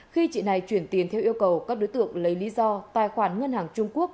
khi chị này chuyển tiền theo yêu cầu các đối tượng lấy lý do tài khoản ngân hàng trung quốc